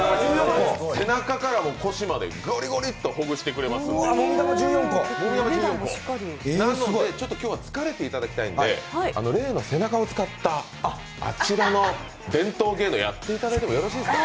背中から腰までゴリゴリとほぐしてくれますので、今日は疲れていただきたいんで例の背中を使ったあちらの伝統芸能、やっていただいてよろしいですか？